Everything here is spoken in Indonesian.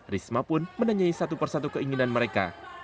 risma pun menanyai satu persatu keinginan mereka